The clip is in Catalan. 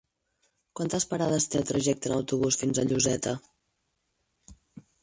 Quantes parades té el trajecte en autobús fins a Lloseta?